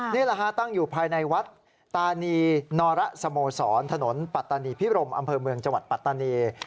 นี่แหละฮะตั้งอยู่ภายในวัดตานีนรสโมสรถนนปัตตานีพิรมอำเภอเมืองจังหวัดปัตตานี